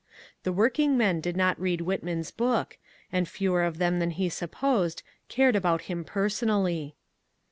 The workingmen did not read Whitman's book, and fewer of them than he supposed cared about him personally.